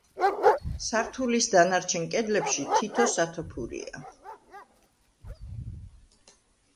სართულის დანარჩენ კედლებში თითო სათოფურია.